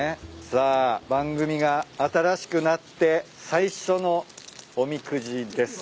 さあ番組が新しくなって最初のおみくじです。